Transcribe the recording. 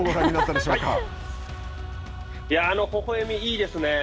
ほほえみ、いいですね。